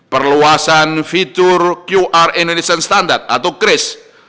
perluasan fitur qr indonesian standard atau cris